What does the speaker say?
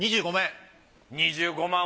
２５万円。